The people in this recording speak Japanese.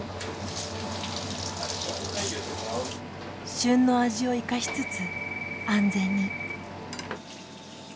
旬の味を生かしつつ安全に。